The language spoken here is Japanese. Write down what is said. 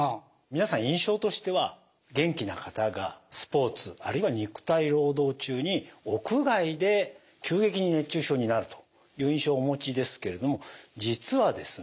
皆さん印象としては元気な方がスポーツあるいは肉体労働中に屋外で急激に熱中症になるという印象をお持ちですけれども実はですね